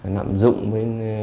nạm dụng với